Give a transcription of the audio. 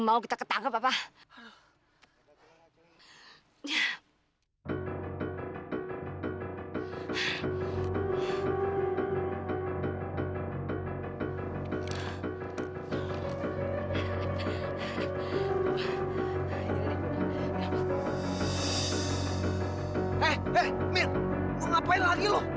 halo cari perkara mau lo